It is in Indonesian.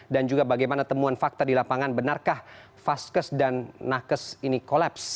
dan juga bagaimana temuan fakta di lapangan benarkah vaskes dan nakes ini kolaps